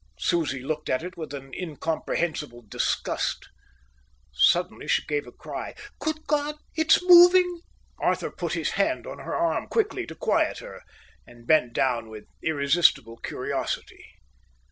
Susie looked at it with an incomprehensible disgust. Suddenly she gave a cry. "Good God, it's moving!" Arthur put his hand on her arm quickly to quieten her and bent down with irresistible curiosity.